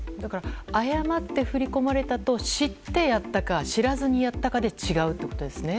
誤って振り込まれたと知ってやったか知らずにやったかで違うってことですね。